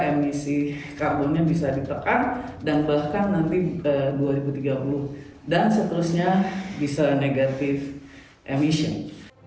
emisi karbonnya bisa ditekan dan bahkan nanti dua ribu tiga puluh dan seterusnya bisa negative emission